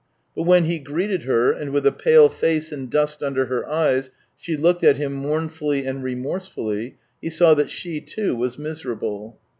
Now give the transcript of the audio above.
But when he greeted her, and with a pale face and dust under her eyes she looked at him mournfully and remorsefully, he saw that she, too, was miserable.